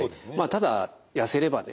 ただ痩せればね